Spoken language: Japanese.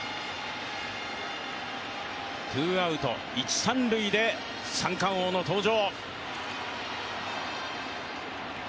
ツーアウト一・三塁で三冠王の登場。